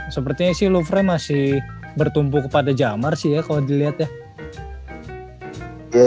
sepertinya sih lufre masih bertumpu kepada jamar sih ya kalo diliat ya